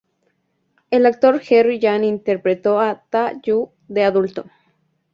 El actor Jerry Yan interpretó a Ta-yu de adulto.